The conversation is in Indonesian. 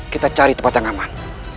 kita cari tempat yang aman